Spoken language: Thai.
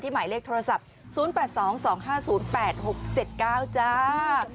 หมายเลขโทรศัพท์๐๘๒๒๕๐๘๖๗๙จ้า